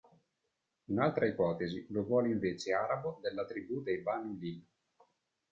Un'altra ipotesi lo vuole invece arabo della tribù dei Banū ʿIjl.